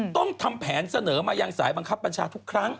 ต้องทำแผนเสนอมายังสายบังคับบัญชาทุกครั้ง